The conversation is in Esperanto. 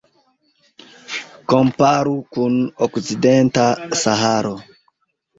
Komparu kun Okcidenta Saharo.